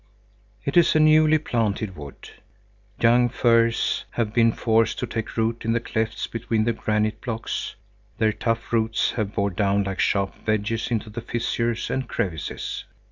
It is a newly planted wood. Young firs have been forced to take root in the clefts between the granite blocks. Their tough roots have bored down like sharp wedges into the fissures and crevices.